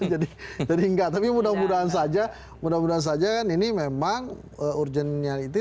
jadi enggak tapi mudah mudahan saja mudah mudahan saja kan ini memang urgentnya itu